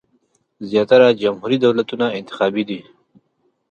زیاتره جمهوري دولتونه انتخابي دي.